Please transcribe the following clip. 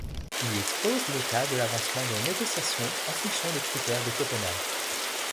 Il y expose l’état de l’avancement des négociations en fonction des critères de Copenhague.